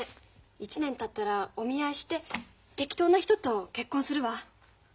１年たったらお見合いして適当な人と結婚するわ。